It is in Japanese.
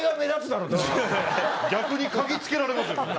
逆に嗅ぎつけられますよ。